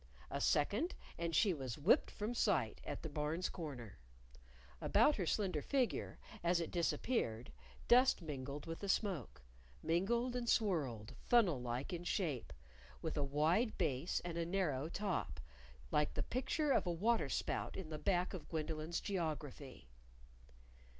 A second, and she was whipped from sight at the Barn's corner. About her slender figure, as it disappeared, dust mingled with the smoke mingled and swirled, funnel like in shape, with a wide base and a narrow top, like the picture of a water spout in the back of Gwendolyn's geography.